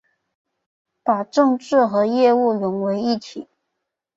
把政治和业务融为一体